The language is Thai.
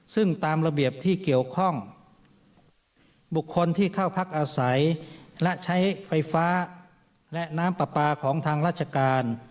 ซึ่งตามระเบียบที่เกี่ยวข้องบุคคลที่เข้าพักอาศัยและใช้ไฟฟ้าและน้ำปลาปลาของทางราชการ